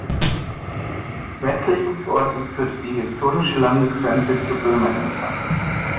Westlich des Ortes führte die historische Landesgrenze zu Böhmen entlang.